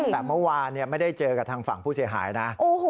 แต่เมื่อวานไม่ได้เจอกับทางฝั่งผู้เสียหายนะ